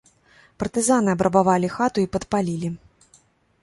Партызаны абрабавалі хату і падпалілі.